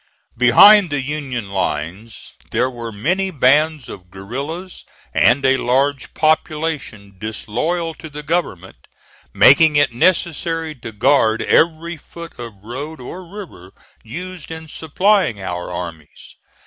Behind the Union lines there were many bands of guerillas and a large population disloyal to the government, making it necessary to guard every foot of road or river used in supplying our armies.